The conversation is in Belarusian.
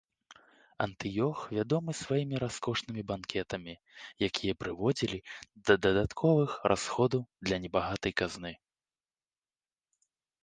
Антыёх вядомы сваімі раскошнымі банкетамі, якія прыводзілі да дадатковых расходаў для небагатай казны.